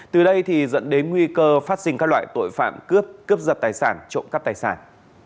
từ đây dẫn đến nguy cơ phát sinh các loại tội phạm cướp cướp giật tài sản trộm cắp tài sản